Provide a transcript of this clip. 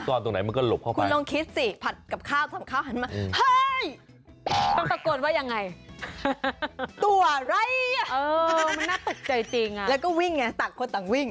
ตรงนั้นตอนหลองวิ่งของบ้าน